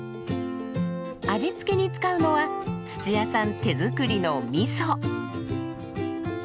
味付けに使うのは土屋さん手作りのみそ。